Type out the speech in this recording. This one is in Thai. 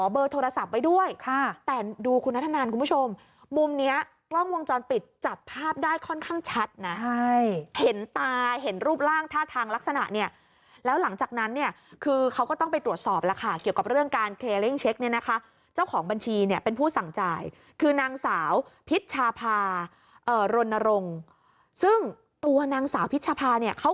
เบอร์โทรศัพท์ไว้ด้วยค่ะแต่ดูคุณนัทนานคุณผู้ชมมุมเนี้ยกล้องวงจรปิดจับภาพได้ค่อนข้างชัดนะใช่เห็นตาเห็นรูปร่างท่าทางลักษณะเนี่ยแล้วหลังจากนั้นเนี่ยคือเขาก็ต้องไปตรวจสอบแล้วค่ะเกี่ยวกับเรื่องการเคเล่งเช็คเนี่ยนะคะเจ้าของบัญชีเนี่ยเป็นผู้สั่งจ่ายคือนางสาวพิชชาพารณรงค์ซึ่งตัวนางสาวพิชภาเนี่ยเขา